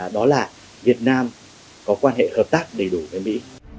đó là việt nam có quan hệ hợp tác đầy đủ với mỹ